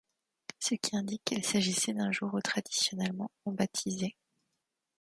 Ce qui indique qu'il s'agissait d'un jour où, traditionnellement, on baptisait.